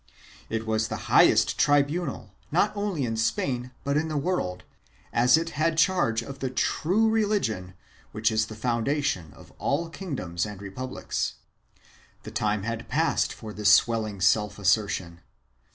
It was the highest tribunal, not only in Spain but in the world, as it had charge of the true religion, which is the foundation of all kingdoms and republics. The time had passed for this swell ing self assertion.